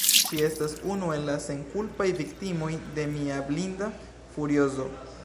Ŝi estas unu el la senkulpaj viktimoj de mia blinda furiozo.